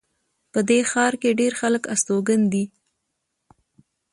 په دې ښار کې ډېر خلک استوګن دي